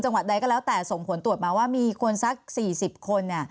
วัดใดก็แล้วแต่ส่งผลตรวจมาว่ามีคนสัก๔๐คน